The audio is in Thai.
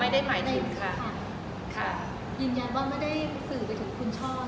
มีคนที่หมายถึงคุณช่อภักรรณะคุณใหม่หรือเปล่า